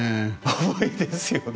重いですよね。